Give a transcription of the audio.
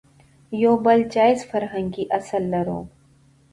يو بل جايز فرهنګي اصل لرو